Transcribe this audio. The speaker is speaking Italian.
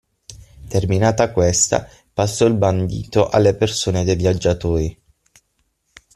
Terminata questa, passò il bandito alle persone de' viaggiatori.